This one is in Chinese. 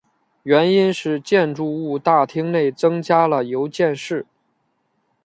原因是建筑物大厅内增加了邮件室。